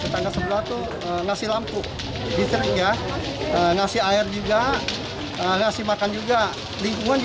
tidak ada yang bisa diperkenankan